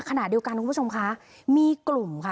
ขณะเดียวกันคุณผู้ชมคะมีกลุ่มค่ะ